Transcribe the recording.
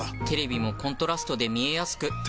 テレビもコントラストで見えやすく。